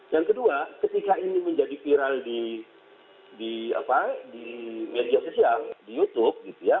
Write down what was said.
yang kedua ketika ini menjadi viral di media sosial di youtube